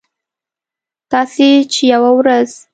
تاسې چې یوه ورځ